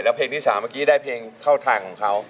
แล้วเพลงที่๓เมื่อกี้ได้เพลงเข้าทางของเขา